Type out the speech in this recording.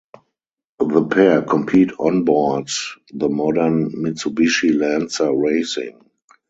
The pair compete on board the modern Mitsubishi Lancer Racing.